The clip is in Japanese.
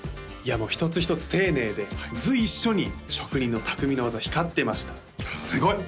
もう一つ一つ丁寧で随所に職人のたくみの技光ってましたすごい！